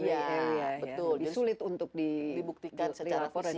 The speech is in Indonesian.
lebih sulit untuk dibuktikan secara fisik